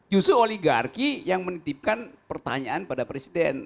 justru oligarki yang menitipkan pertanyaan pada presiden